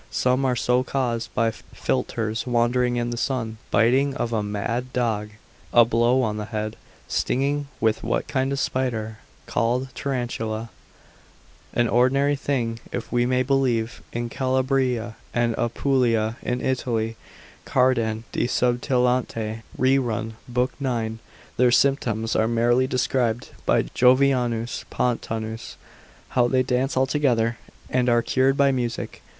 Some are so caused by philters, wandering in the sun, biting of a mad dog, a blow on the head, stinging with that kind of spider called tarantula, an ordinary thing if we may believe Skeuck. l. 6. de Venenis, in Calabria and Apulia in Italy, Cardan, subtil. l. 9. Scaliger exercitat. 185. Their symptoms are merrily described by Jovianus Pontanus, Ant. dial. how they dance altogether, and are cured by music.